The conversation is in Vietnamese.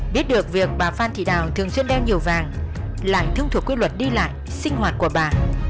biết được việc bà phan thị đào thường xuyên đeo nhiều vàng lại thông thuộc quy luật đi lại sinh hoạt của bà